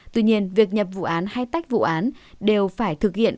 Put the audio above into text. tuy nhiên việc nhập vụ án hay tách vụ án đều phải thực hiện